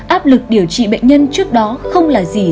áp lực điều trị bệnh nhân trước đó không là gì